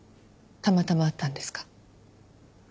たまたまあったんですか？